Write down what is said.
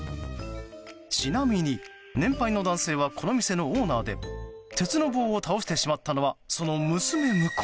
ちなみに、年配の男性はこの店のオーナーで鉄の棒を倒してしまったのはその娘婿。